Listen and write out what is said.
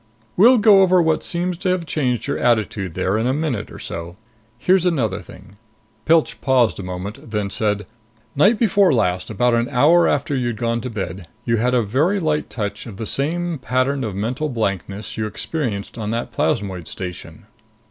"We'll go over what seems to have changed your attitude there in a minute or so. Here's another thing " Pilch paused a moment, then said, "Night before last, about an hour after you'd gone to bed, you had a very light touch of the same pattern of mental blankness you experienced on that plasmoid station."